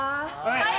はい。